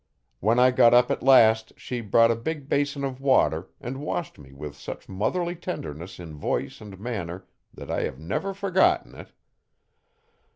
When I got up at last she brought a big basin of water and washed me with such motherly tenderness in voice and manner that I have never forgotten it.